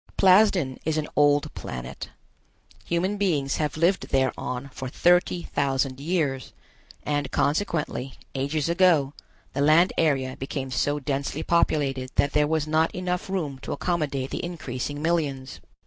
Plasden is an old planet. Human beings have lived thereon for thirty thousand years, and consequently, ages ago, the land area became so densely populated that there was not enough room to accommodate the increasing millions.